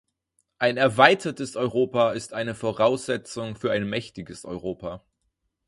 Ein erweitertes Europa ist eine Voraussetzung für ein mächtiges Europa.